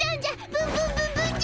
ブンブンブンブンじゃ！